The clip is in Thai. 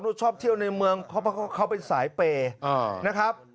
ชอบเที่ยวในเมืองเพราะเขาเป็นสายเปย์นะครับ